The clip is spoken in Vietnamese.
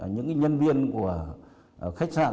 những nhân viên của khách sạn